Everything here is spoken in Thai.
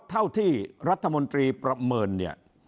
เท่าที่รัฐมนตรีประเมินเนี่ย